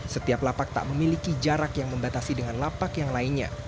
setiap lapak tak memiliki jarak yang membatasi dengan lapak yang lainnya